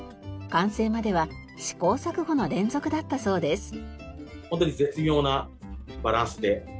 完成までは試行錯誤の連続だったそうです。